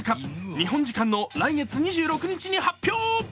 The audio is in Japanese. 日本時間の来月２６日に発表。